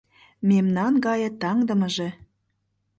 Мемнан гае таҥдымыже